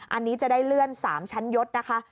อันนี้จะได้เลื่อน๓ชั้นยศนะคะ